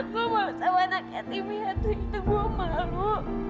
gue malu sama anaknya timmy ya tuh itu gue malu